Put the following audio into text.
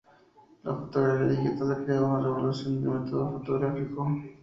La fotografía digital ha creado una revolución del medio fotográfico.